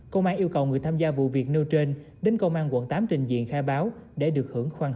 công an yêu cầu người tham gia vụ việc nêu trên đến công an quận tám trình diện khai báo để được hưởng khoan